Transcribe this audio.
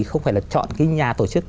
không phải là chọn cái nhà tổ chức